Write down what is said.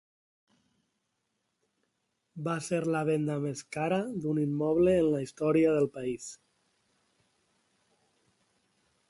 Va ser la venda més cara d’un immoble en la història del país.